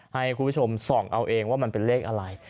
ให้คุณผู้ชมส่องเอาเองว่ามันเป็นเลขอะไร